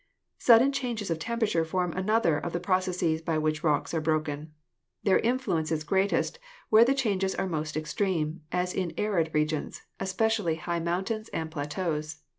Sudden changes of temperature form another of the processes by which rocks are broken. Their influence is greatest where the changes are most extreme, as in arid regions, especially high mountains and plateaus.